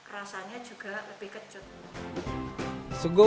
rasanya juga lebih kecut